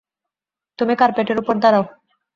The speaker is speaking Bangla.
তুমি কার্পেটের ওপর দাঁড়াও।